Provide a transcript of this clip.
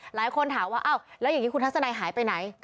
หลายคนถามว่าอ้าวแล้วอย่างนี้คุณทัศนัยหายไปไหน